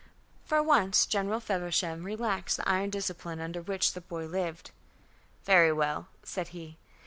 For once General Feversham relaxed the iron discipline under which the boy lived. "Very well," said he.